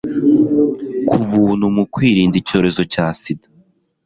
ku buntu mu kwirinda icyorezo cyasida